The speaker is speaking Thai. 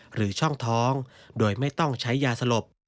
หรือช่องท้องโดยไม่ต้องใช้ยาสลบ